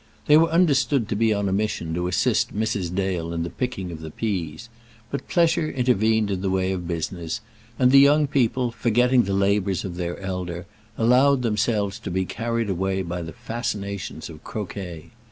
They were understood to be on a mission to assist Mrs. Dale in the picking of the peas; but pleasure intervened in the way of business, and the young people, forgetting the labours of their elder, allowed themselves to be carried away by the fascinations of croquet.